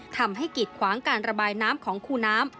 ทำให้กิดขวางการระบายน้ำของคู่น้ำ